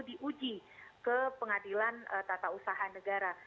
diuji ke pengadilan tata usaha negara